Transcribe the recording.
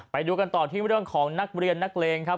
ไปดูกันต่อที่เรื่องของนักเรียนนักเลงครับ